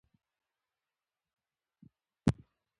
هیڅکله چا ته سپکاوی نه کوي.